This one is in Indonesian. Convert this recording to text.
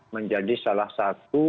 menjadi salah satu